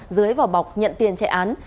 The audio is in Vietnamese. dưới vào bọc nhận tiền chạy án